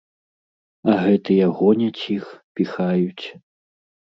А гэтыя гоняць іх, піхаюць.